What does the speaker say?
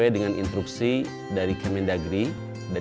perumahan baru di philip surely de broadway